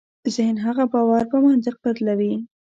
ذهن هغه باور په منطق بدلوي.